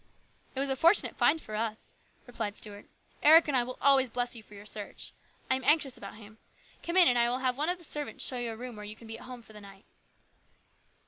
" It was a fortunate find for us," replied Stuart. " Eric and I will always bless you for your search. I am anxious about him. Come in, and I will have one of the servants show you a room where you can be at home for the night."